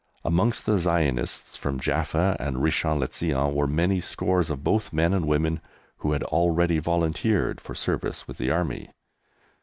Amongst the Zionists from Jaffa and Richon le Zion were many scores of both men and women who had already volunteered for service with the Army.